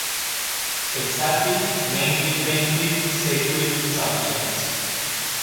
Pezzati mainly painted sacred subjects.